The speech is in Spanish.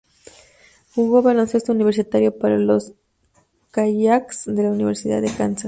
Jugó baloncesto universitario para los Jayhawks de la Universidad de Kansas.